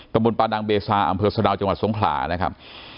บนปานังเบซาอำเภอสะดาวจังหวัดสงขลานะครับ